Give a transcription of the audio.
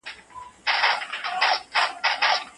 که په ژمي کې ډېره واوره وورېږي نو د اوبو زېرمې به ډېرې شي.